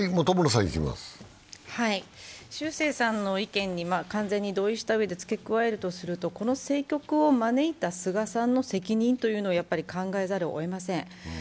秀征さんの意見に完全に同意したうえで付け加えるとするとこの政局を招いた菅さんの責任というのを考えざるをえません。